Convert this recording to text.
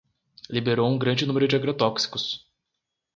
Liberou um grande número de agrotóxicos